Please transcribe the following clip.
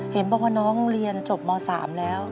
เห็นบอกว่าน้องเรียนจบม๓แล้ว